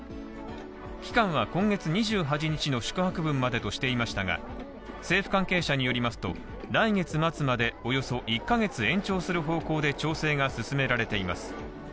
期間は今月２８日の宿泊分までとしていましたが政府関係者によりますと、来月末までおよそ１カ月延長する方向で調整が進められています。